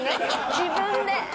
自分で。